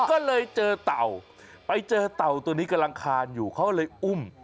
ก็เลยเจอเต่าไปเจอเต่าตัวนี้กำลังคานอยู่เขาเลยอุ้ม